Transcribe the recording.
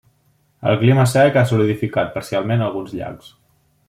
El clima sec ha solidificat parcialment alguns llacs.